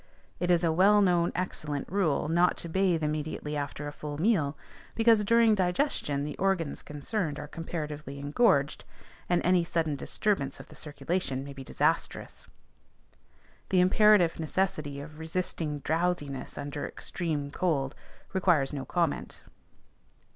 It is a well known excellent rule, not to bathe immediately after a full meal; because during digestion the organs concerned are comparatively engorged and any sudden disturbance of the circulation may be disastrous. The imperative necessity of resisting drowsiness under extreme cold requires no comment.